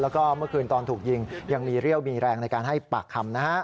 แล้วก็เมื่อคืนตอนถูกยิงยังมีเรี่ยวมีแรงในการให้ปากคำนะฮะ